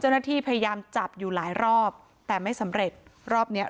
เจ้าหน้าที่พยายามจับอยู่หลายรอบแต่ไม่สำเร็จรอบเนี้ย